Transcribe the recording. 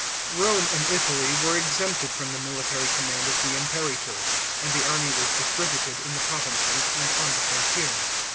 § 8. Eome and Italy were exempted from the military command of the Imperator; and the army was distributed in the provinces and on the frontiers.